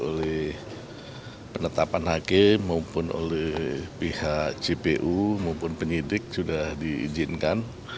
oleh penetapan hakim maupun oleh pihak jpu maupun penyidik sudah diizinkan